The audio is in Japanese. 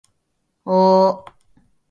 今、しぬよぉ